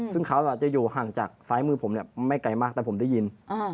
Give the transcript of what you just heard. ซึ่งเขาจะอยู่ห่างจากซ้ายมือผมไม่ไกลมากแต่ผมได้ยิน